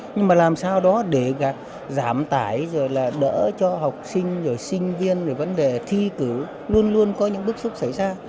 nhưng mà làm sao đó để giảm tải rồi là đỡ cho học sinh rồi sinh viên về vấn đề thi cử luôn luôn có những bức xúc xảy ra